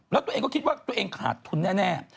แล้วตัวเองก็คิดว่าตัวเองขาดทุนแน่